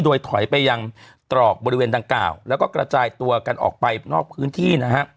โดยถอยไปยังตรอกบริเวณดังกล่าวแล้วก็กระจายตัวกันออกไปนอกพื้นที่นะฮะ